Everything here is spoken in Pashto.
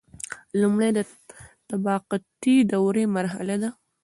لمړی د تطابقي دورې مرحله ده.